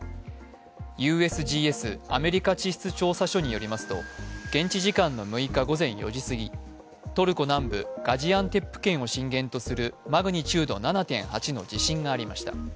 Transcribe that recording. ＵＳＧＳ＝アメリカ地質調査所によりますと現地時間の６日午前４時すぎ、トルコ南部ガジアンテップ県を震源とするマグニチュード７．８の地震がありました。